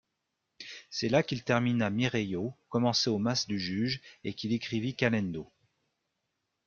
C'est là qu'il termina Mirèio, commencée au Mas du Juge, et qu'il écrivit Calendau.